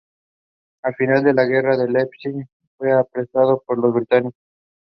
She has worked on quantum light sources and semiconductor physics.